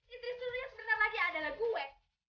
istri suria sebentar lagi adalah gue